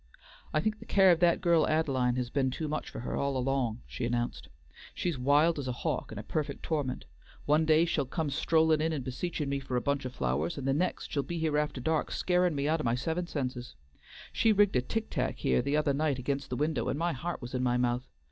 "I think the care of that girl of Ad'line's has been too much for her all along," she announced, "she's wild as a hawk, and a perfect torment. One day she'll come strollin' in and beseechin' me for a bunch o' flowers, and the next she'll be here after dark scarin' me out o' my seven senses. She rigged a tick tack here the other night against the window, and my heart was in my mouth.